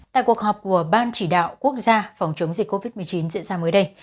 tại cuộc họp của ban chỉ đạo quốc gia phòng chống dịch covid một mươi chín diễn ra mới đây